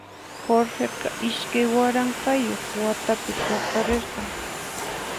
Jorgeqa iskay waranqayuq watapi paqarirqan.